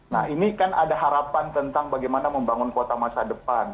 nah ini kan ada harapan tentang bagaimana membangun kota masa depan